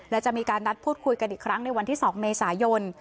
และจะมีการนัดพูดคุยกันอีกครั้งในวันที่๒เมษายน